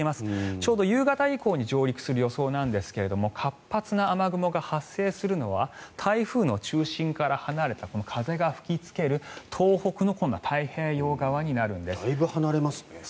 ちょうど夕方以降に上陸する予想ですが活発な雨雲が発生するのは台風の中心から離れたこの風が吹きつけるだいぶ離れますね。